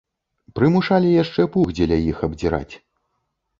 Прымушалі яшчэ пух дзеля іх абдзіраць.